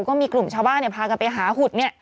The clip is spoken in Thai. ก็มีกลุ่มชาวบ้านพากันไปหาขุด